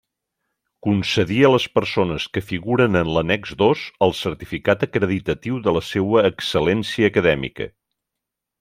Concedir a les persones que figuren en l'annex dos el certificat acreditatiu de la seua excel·lència acadèmica.